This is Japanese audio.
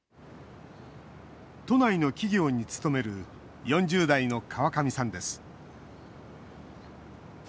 都内の企業に勤める４０代の川上さんです